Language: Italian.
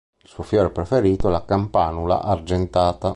Il suo fiore preferito è la campanula argentata.